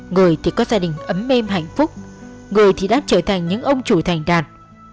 người thì có gia đình ấm mê hạnh phúc người thì đã trở thành những ông chủ thành đạt